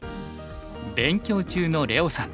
勉強中の怜央さん。